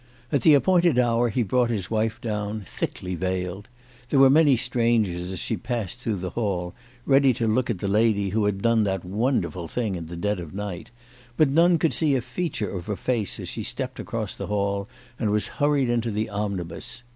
At the appointed hour he brought his wife down, thickly veiled. There were many strangers as she passed through the hall, ready to look at the lady who had done that wonderful thing in the dead of night, but none could see a feature of her face as she stepped across the hall, and was hurried into the omnibus.